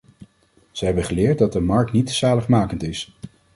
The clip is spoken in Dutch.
Ze hebben geleerd dat de markt niet zaligmakend is.